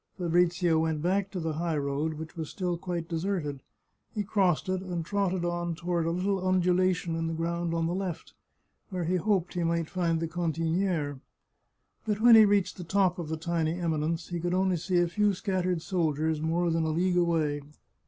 Fabrizio went back to the high road, which was still quite deserted; he crossed it, and trotted on toward a little undulation in the ground on the left, where he hoped he might find the can tiniere, but when he reached the top of the tiny eminence he could only see a few scattered soldiers more than a leagfue away.